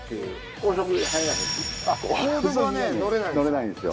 高速はね乗れないんですわ。